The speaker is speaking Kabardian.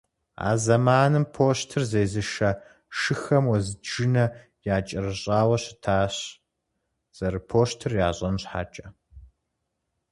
А зэманым пощтыр зезышэ шыхэм уэзджынэ якӏэрыщӏауэ щытащ, зэрыпощтыр ящӏэн щхьэкӏэ.